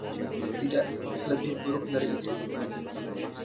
Tidak, lebih buruk dari itu.